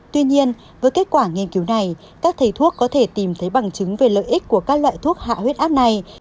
tuy nhiên với kết quả nghiên cứu này các thầy thuốc có thể tìm thấy bằng chứng về lợi ích của các loại thuốc hạ huyết áp này